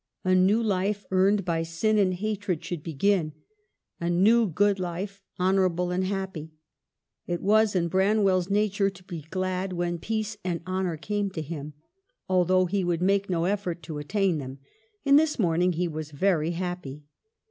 A new life, earned by sin and hatred, should begin ; a new good life, honorable and happy. It was in Branwell's nature to be glad when peace and honor came to him, al though he would make no effort to attain them, and this morning he was very happy.